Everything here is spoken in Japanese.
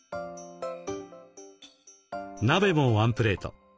鍋もワンプレート。